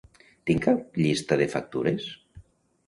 Tinc cap llista de factures?